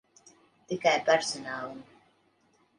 Tikai personālam.